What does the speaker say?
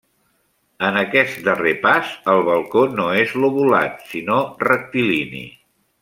En aquest darrer pas, el balcó no és lobulat sinó rectilini.